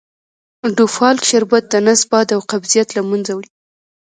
ډوفالک شربت دنس باد او قبضیت له منځه وړي .